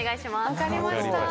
分かりました。